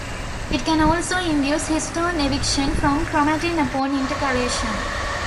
It can also induce histone eviction from chromatin upon intercalation.